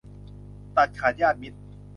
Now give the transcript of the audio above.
ตัดญาติขาดมิตร